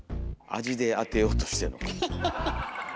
味で当てようとしてんのか。